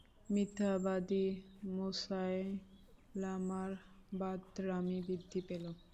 মিথ্যাবাদী মুসায়লামার বাঁদরামি বৃদ্ধি পেল।